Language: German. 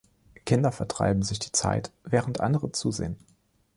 Kinder vertreiben sich die Zeit, während andere zusehen.